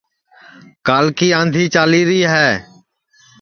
کاݪی آنٚدھی چالی ری ہے